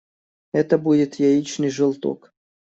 Это будет яичный желток.